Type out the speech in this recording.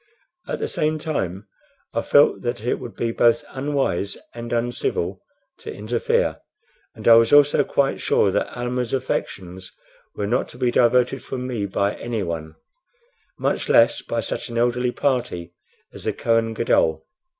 At the same time I felt that it would be both unwise and uncivil to interfere; and I was also quite sure that Almah's affections were not to be diverted from me by anyone, much less by such an elderly party as the Kohen Gadol.